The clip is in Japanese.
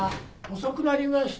遅くなりました。